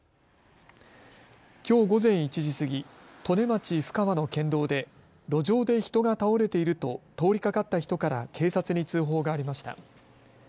きょう午前１時過ぎ、利根町布川の県道で路上で人が倒れていると通りかかった人から警察に通報がありました。